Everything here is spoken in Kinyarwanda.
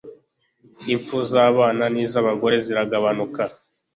impfu z' abana n'iz' abagore ziragabanuka